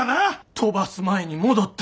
飛ばす前に戻った。